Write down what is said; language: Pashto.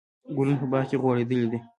ګلونه په باغ کې غوړېدلي دي.